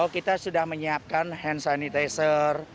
kita sudah menyiapkan hand sanitizer